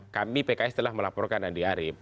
kami pks telah melaporkan andi arief